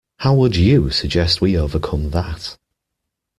How would you suggest we overcome that?